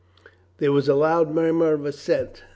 There was a loud murmur of assent.